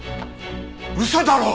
嘘だろ！